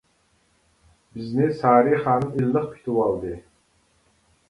بىزنى سارى خانىم ئىللىق كۈتۈۋالدى.